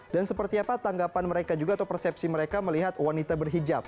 dan seperti apa tanggapan mereka juga atau persepsi mereka melihat wanita berhijab